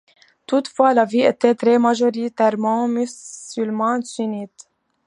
Toutefois, la ville était très majoritairement musulmane sunnite.